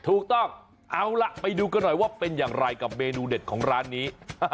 ถูกต้องเอาล่ะไปดูกันหน่อยว่าเป็นอย่างไรกับเมนูเด็ดของร้านนี้